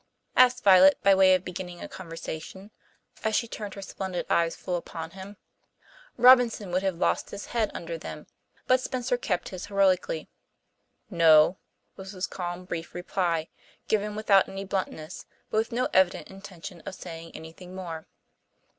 asked Violet by way of beginning a conversation, as she turned her splendid eyes full upon him. Robinson would have lost his head under them, but Spencer kept his heroically. "No," was his calmly brief reply, given without any bluntness, but with no evident intention of saying anything more.